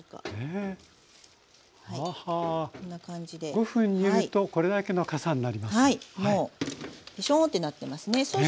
５分煮るとこれだけのかさになります。